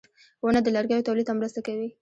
• ونه د لرګیو تولید ته مرسته کوي.